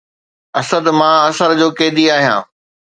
اسد! مان اثر جو قيدي آهيان